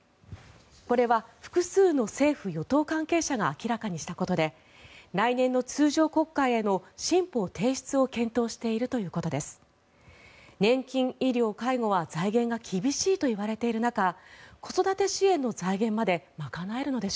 これは複数の政府与党関係者が明らかにしたことで来年の通常国会への新法提出を検討しているということです。